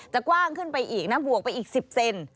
กว้างขึ้นไปอีกนะบวกไปอีก๑๐เซน